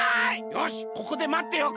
よしここでまってようか。